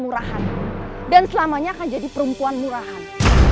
murahan dan selamanya akan jadi perempuan murahan